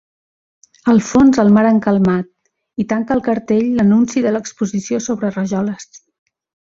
Al fons el mar encalmat, i tanca el cartell l'anunci de l'Exposició sobre rajoles.